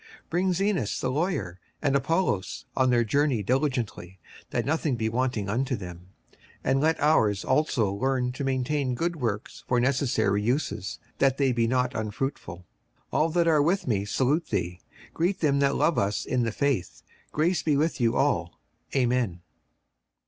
56:003:013 Bring Zenas the lawyer and Apollos on their journey diligently, that nothing be wanting unto them. 56:003:014 And let our's also learn to maintain good works for necessary uses, that they be not unfruitful. 56:003:015 All that are with me salute thee. Greet them that love us in the faith. Grace be with you all. Amen.